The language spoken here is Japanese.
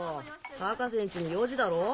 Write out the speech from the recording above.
博士ん家に４時だろ？